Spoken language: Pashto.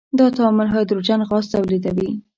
دا تعامل هایدروجن غاز تولیدوي.